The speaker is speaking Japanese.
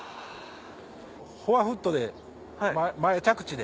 フォアフットで前着地で。